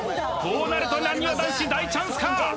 こうなるとなにわ男子大チャンスか？